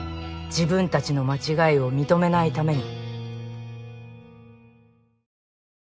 自分たちの間違いを認めないために。